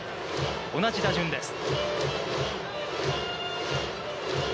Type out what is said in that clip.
同じ打順です。